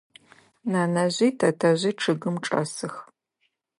Нэнэжъи тэтэжъи чъыгым чӏэсых.